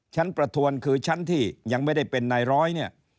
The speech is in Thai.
ประทวนคือชั้นที่ยังไม่ได้เป็นนายร้อยเนี่ย